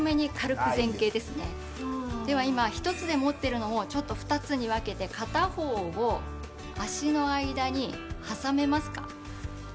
では今１つで持ってるのをちょっと２つに分けて片方を足の間に挟めますか？